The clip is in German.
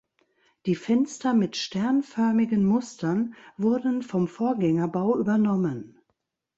Die Fenster mit sternförmigen Mustern wurden vom Vorgängerbau übernommen.